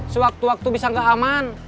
sewaktu waktu bisa nggak aman